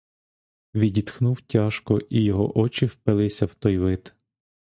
Відітхнув тяжко, і його очі впилися в той вид.